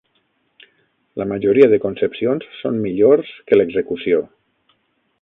La majoria de concepcions són millors que l'execució.